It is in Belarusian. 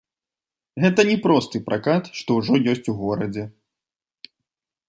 Гэта не просты пракат, што ўжо ёсць у горадзе.